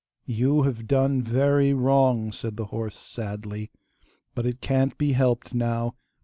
'You have done very wrong,' said the horse sadly. 'But it can't be helped now.